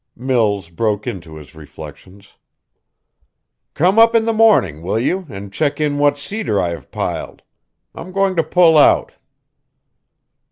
Mills broke into his reflections. "Come up in the morning, will you, and check in what cedar I have piled? I'm going to pull out."